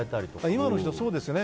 今の人はそうですね。